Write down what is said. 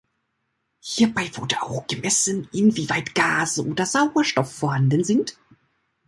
Hierbei wurde auch gemessen, inwieweit Gase oder Sauerstoff vorhanden sind.